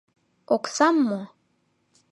Оксам мо?